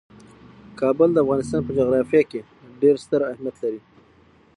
کابل د افغانستان په جغرافیه کې ډیر ستر اهمیت لري.